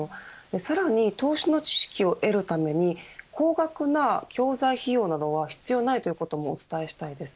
さらに、投資の知識を得るために高額な教材費用などは必要ないこともお伝えしたいです。